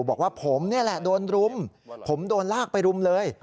บอกว่าผมนี่แหละโดนรุมผมโดนลากไปรุมเลย